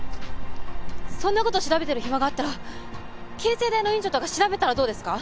そんな事調べてる暇があったら慶西大の院長とか調べたらどうですか！？